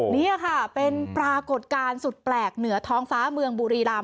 นี่ค่ะเป็นปรากฏการณ์สุดแปลกเหนือท้องฟ้าเมืองบุรีรำ